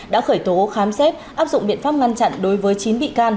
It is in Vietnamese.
đã khởi tố khám xét áp dụng biện pháp ngăn chặn đối với chín bị can